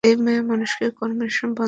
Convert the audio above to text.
এই মায়া মানুষকে কর্মের বন্ধনে আবদ্ধ করে।